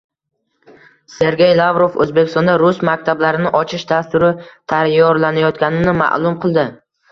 Sergey Lavrov O‘zbekistonda rus maktablarini ochish dasturi tayyorlanayotganini ma’lum qildi